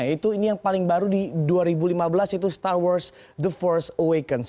yaitu ini yang paling baru di dua ribu lima belas itu star wars the force awakens